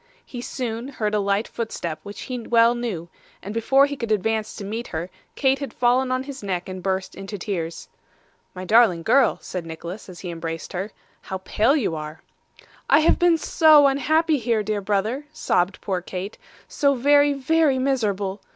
He soon heard a light footstep which he well knew, and before he could advance to meet her, Kate had fallen on his neck and burst into tears. 'My darling girl,' said Nicholas as he embraced her. 'How pale you are!' 'I have been so unhappy here, dear brother,' sobbed poor Kate; 'so very, very miserable.